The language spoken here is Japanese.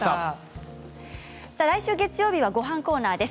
来週月曜日はごはんコーナーです。